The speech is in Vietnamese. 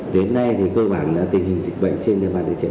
đến nay thì cơ bản là tình hình dịch bệnh trên địa bàn